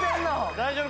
大丈夫？